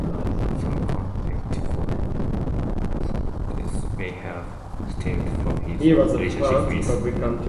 Some contempt for Socrates may have stemmed from his relationship with Alcibiades.